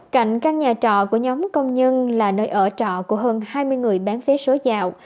cạnh căn nhà trọ của nhóm công nhân là nơi ở trọ của hơn hai mươi người bán vé số dạo